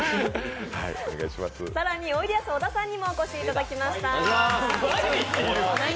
更に、おいでやす小田さんにもお越しいただきました。